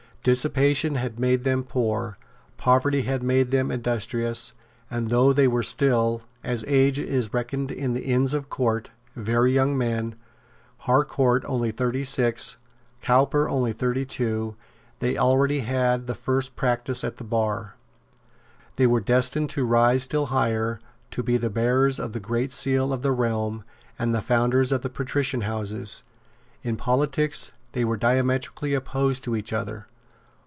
Dissipation had made them poor; poverty had made them industrious; and though they were still, as age is reckoned at the Inns of Court, very young men, Harcourt only thirty six, Cowper only thirty two, they already had the first practice at the bar. They were destined to rise still higher, to be the bearers of the great seal of the realm, and the founders of patrician houses. In politics they were diametrically opposed to each other.